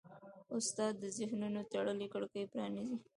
استاد د ذهنونو تړلې کړکۍ پرانیزي.